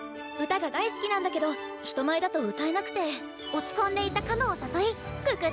歌が大好きなんだけど人前だと歌えなくて落ち込んでいたかのんを誘い可